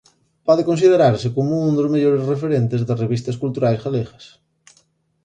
Pode considerarse como un dos mellores referentes das revistas culturais galegas.